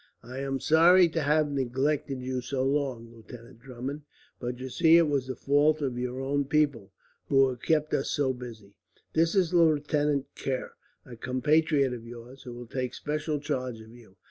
"I am sorry to have neglected you so long, Lieutenant Drummond; but you see it was the fault of your own people, who have kept us so busy. This is Lieutenant Kerr, a compatriot of yours, who will take special charge of you."